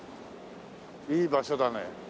いい場所だね。